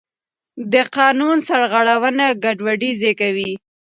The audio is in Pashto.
د قانون سرغړونه ګډوډي زېږوي